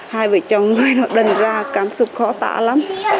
hai vợ chồng người nó đần ra cảm xúc khó tạ lắm